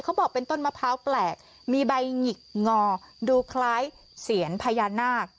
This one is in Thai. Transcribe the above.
เขาบอกเป็นต้นมะพร้าวแปลกมีใบหงิกงอดูคล้ายเสียนพญานาค